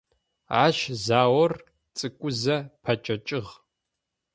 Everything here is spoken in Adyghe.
Ащ заор цӀыкӀузэ пэкӏэкӏыгъ.